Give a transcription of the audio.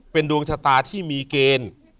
เป็นดวงชะตาที่มีเกณฑ์